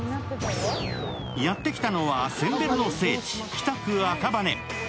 やってきたのは、せんべろの聖地・北区赤羽。